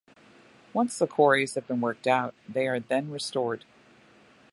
Once the quarries have been worked out they are then restored.